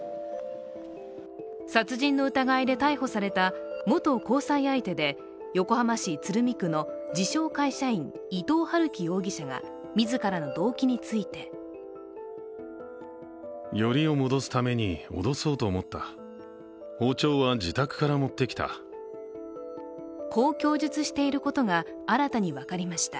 殺人の疑いで逮捕された元交際相手で横浜市鶴見区の自称・会社員、伊藤龍稀容疑者が自らの動機についてこう供述していることが新たに分かりました。